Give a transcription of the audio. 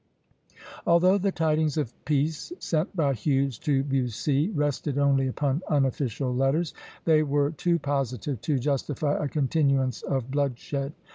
Although the tidings of peace sent by Hughes to Bussy rested only upon unofficial letters, they were too positive to justify a continuance of bloodshed.